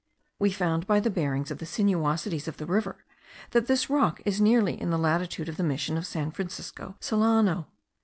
We found by the bearings of the sinuosities of the river, that this rock is nearly in the latitude of the mission of San Francisco Solano.